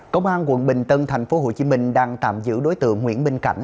công an quận bình tân tp hcm đang tạm giữ đối tượng nguyễn minh cảnh